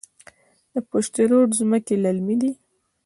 د پشت رود ځمکې للمي دي